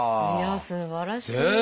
いやすばらしい！